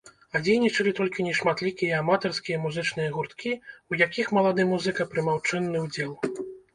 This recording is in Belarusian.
А дзейнічалі толькі нешматлікі аматарскія музычныя гурткі, у якіх малады музыка прымаў чынны ўдзел.